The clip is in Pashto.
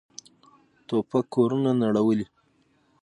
توپک کورونه نړولي.